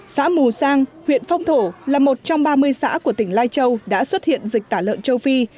xã mù sang huyện phong thổ là một trong ba mươi xã của tỉnh lai châu đã xuất hiện dịch tả lợn châu phi